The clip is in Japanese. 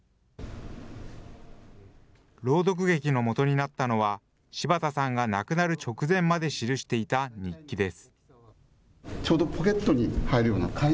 朗読劇のもとになったのは、柴田さんが亡くなる直前まで記していた日記です。